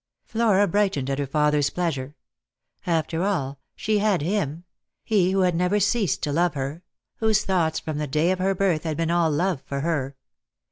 Flora brightened at her father's pleasure. After all, she had him ; he who had never ceased to love her ; whose thoughts, from the day of her birth, had been all love for her.